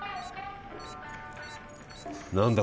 何だ